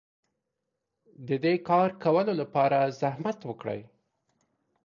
د دې کار کولو لپاره زحمت وکړئ.